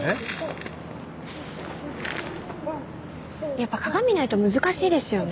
やっぱ鏡ないと難しいですよね。